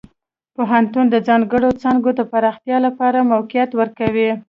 پوهنتون د ځانګړو څانګو د پراختیا لپاره موقعیت ورکوي.